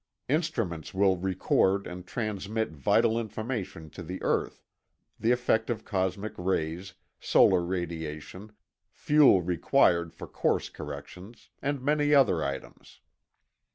Instruments will record and transmit vital information to the earth—the effect of cosmic rays, solar radiation, fuel required for course corrections, and many other items.